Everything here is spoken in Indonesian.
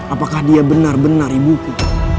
apakah dia benar benar ibuku